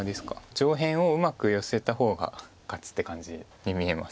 上辺をうまくヨセた方が勝つって感じに見えます。